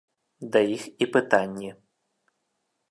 Да іх і пытанні.